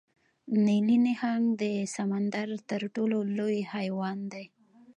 نیلي نهنګ د سمندر تر ټولو لوی حیوان دی